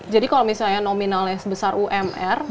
jadi kalau misalnya nominalnya sebesar umr